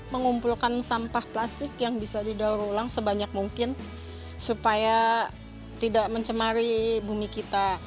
mengumpulkan sampah plastik yang bisa didaur ulang sebanyak mungkin supaya tidak mencemari bumi kita